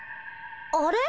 あれ？